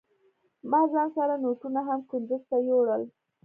ما ځان سره نوټونه هم کندوز ته يوړل.